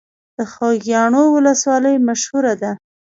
د خوږیاڼیو ولسوالۍ مشهوره ده